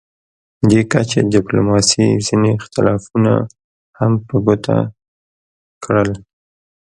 دې کچې ډیپلوماسي ځینې اختلافونه هم په ګوته کړل